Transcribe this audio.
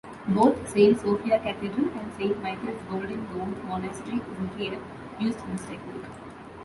Both Saint Sophia Cathedral and Saint Michael's Golden-Domed Monastery in Kiev use this technique.